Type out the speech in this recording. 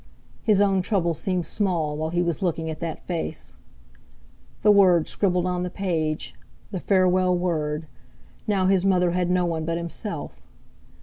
His own trouble seemed small while he was looking at that face. The word scribbled on the page! The farewell word! Now his mother had no one but himself!